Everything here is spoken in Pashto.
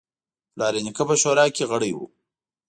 پلار یا نیکه په شورا کې غړی و.